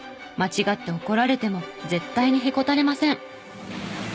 間違って怒られても絶対にヘコたれません！